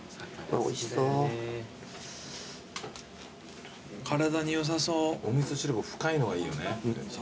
お味噌汁が深いのがいいよね。